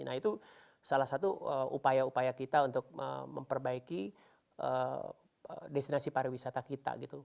nah itu salah satu upaya upaya kita untuk memperbaiki destinasi pariwisata kita gitu